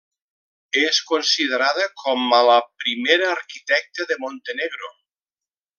És considerada com a la primera arquitecta de Montenegro.